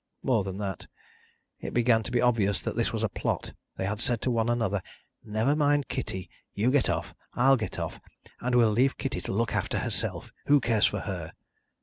More than that: it began to be obvious that this was a plot. They had said to one another, "Never mind Kitty; you get off, and I'll get off; and we'll leave Kitty to look after herself. Who cares for her?"